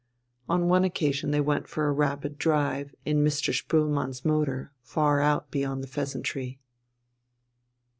On one occasion they went for a rapid drive in Mr. Spoelmann's motor far out beyond the "Pheasantry."